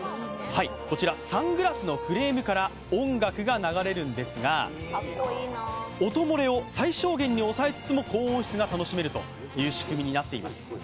サングラスのフレームから音楽が流れるんですが、音漏れを最小限に抑えつつも高音質が楽しめるシステムになっています。